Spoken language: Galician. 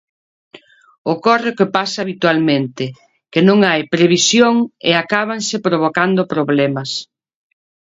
"Ocorre o que pasa habitualmente: que non hai previsión e acábanse provocando problemas".